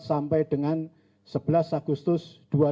sampai dengan sebelas agustus dua ribu delapan belas